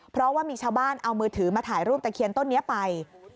เพราะว่ามีชาวบ้านเอามือถือมาถ่ายรูปตะเคียนต้นนี้ไป